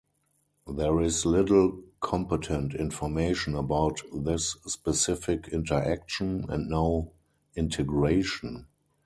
There is little competent information about this specific interaction, and no integration.